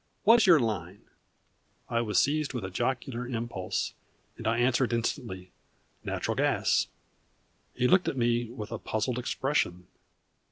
What's your line?" I was seized with a jocular impulse, and I answered instantly "Natural gas." He looked at me with a puzzled expression.